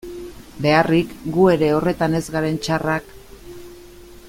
Beharrik, gu ere horretan ez garen txarrak...